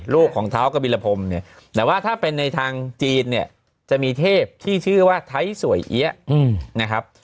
ของเท้ากบิลพรมเนี่ยแต่ว่าถ้าเป็นในทางจีนเนี่ยจะมีเทพที่ชื่อว่าไทยสวยเอี๊ยะนะครับ